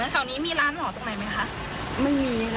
แถวนี้มีร้านหอตรงไหนไหมคะ